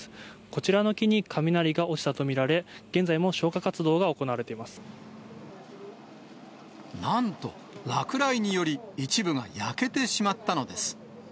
こちらの木に雷が落ちたと見られ、なんと、落雷により一部が焼けてしまったのです。